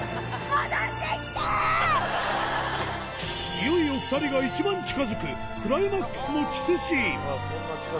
いよいよ２人が一番近づくクライマックスのキスシーンそんな近づくんだ。